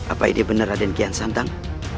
apa ini benar adik kian santang